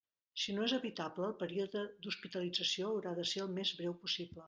Si no és evitable, el període d'hospitalització haurà de ser el més breu possible.